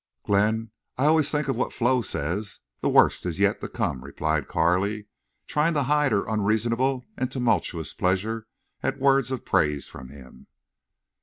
"Glenn, I always think of what Flo says—the worst is yet to come," replied Carley, trying to hide her unreasonable and tumultuous pleasure at words of praise from him.